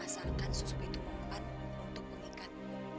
asalkan susu itu bukan untuk mengikat